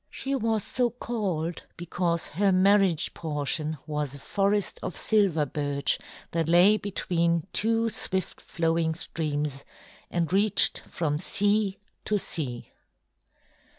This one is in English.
She was so called because her marriage portion was a forest of silver birch that lay between two swift flowing streams and reached from sea to sea.